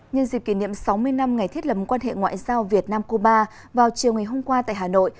nhân dịp kỷ niệm sáu mươi năm ngày thiết lập quan hệ ngoại giao việt nam cuba vào chiều ngày hôm qua tại hà nội